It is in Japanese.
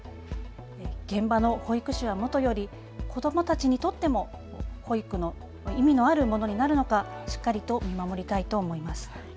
現場の保育士はもとより子どもたちにとっても保育の意味のあるものになるのかしっかり見守りたいと思います。